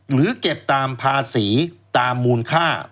หรือเก็บตามภาษีตามมูลค่า